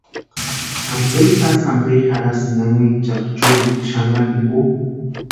¿Ampe jasï ampe jarhasïni anhinchakwa churikwa xanharu jimpo?